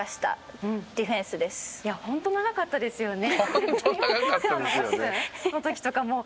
「“本当長かったですよね”」